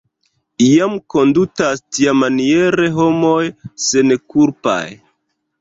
Iam kondutas tiamaniere homoj senkulpaj.